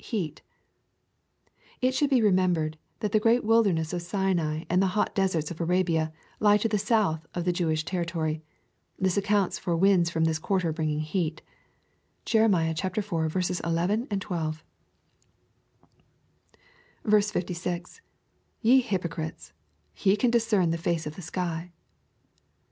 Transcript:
heat"] It should be remembered, that the great wilderness of Sinai and the hot deserts of Arabia, lie to the South of the Jewish territory. TI: s accounts for winds from this quarter bringing heat (Jerem. it. 11, 12.) 66. — [Ye hypocriites — ye can discern the face of the sky.